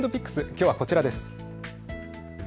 きょうはこちらです。